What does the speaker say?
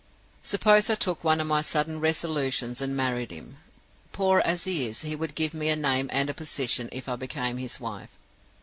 "Suppose I took one of my sudden resolutions, and married him. Poor as he is, he would give me a name and a position if I became his wife.